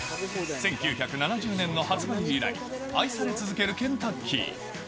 １９７０年の発売以来、愛され続けるケンタッキー。